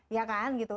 ya kan gitu